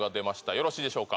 よろしいでしょうか？